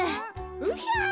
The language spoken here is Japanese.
うひゃ。